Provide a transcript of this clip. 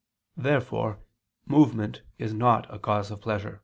Therefore movement is not a cause of pleasure.